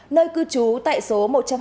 nơi cư trú tại số một trăm hai mươi